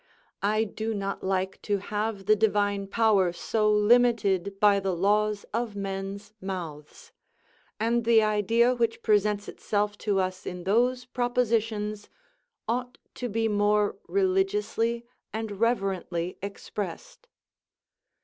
I do not like to have the divine power so limited by the laws of men's mouths; and the idea which presents itself to us in those propositions ought to be more religiously and reverently expressed.